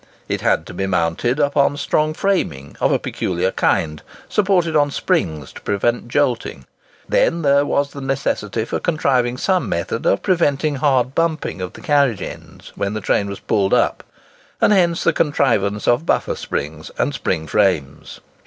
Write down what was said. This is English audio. It had to be mounted upon strong framing, of a peculiar kind, supported on springs to prevent jolting. Then there was the necessity for contriving some method of preventing hard bumping of the carriage ends when the train was pulled up; and hence the contrivance of buffer springs and spring frames.